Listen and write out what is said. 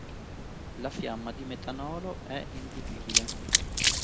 La fiamma di metanolo è invisibile.